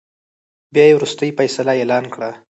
بيا يې ورورستۍ فيصله اعلان کړه .